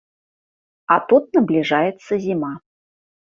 А тут набліжаецца зіма.